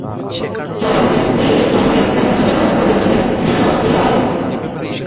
চলচ্চিত্রের সঙ্গীত পরিচালনা করেছেন বিনোদ রায়।